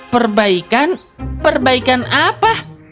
perbaikan perbaikan apa